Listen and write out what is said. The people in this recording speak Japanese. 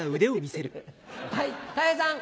はいたい平さん。